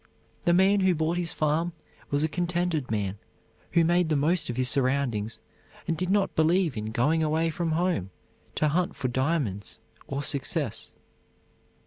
The man who bought his farm was a contented man, who made the most of his surroundings, and did not believe in going away from home to hunt for diamonds or success.